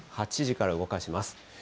８時から動かします。